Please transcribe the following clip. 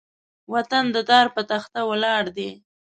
وطن د دار بۀ تخته ولاړ دی